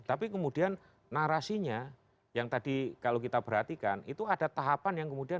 tapi kemudian narasinya yang tadi kalau kita perhatikan itu ada tahapan yang kemudian